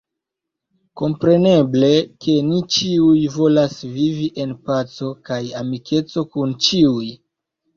Kompreneble, ke ni ĉiuj volas vivi en paco kaj amikeco kun ĉiuj.